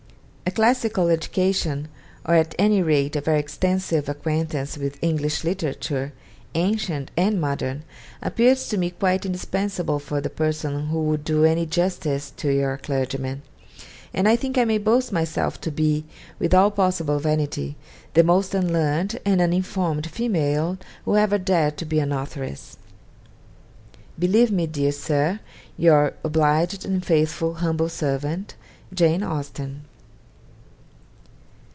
A classical education, or at any rate a very extensive acquaintance with English literature, ancient and modern, appears to me quite indispensable for the person who would do any justice to your clergyman; and I think I may boast myself to be, with all possible vanity, the most unlearned and uninformed female who ever dared to be an authoress. 'Believe me, dear Sir, 'Your obliged and faithful humbl Sert. 'JANE AUSTEN.'